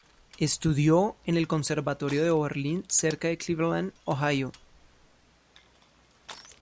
Estudió en el Conservatorio de Oberlin, cerca de Cleveland, Ohio.